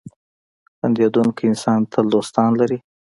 • خندېدونکی انسان تل دوستان لري.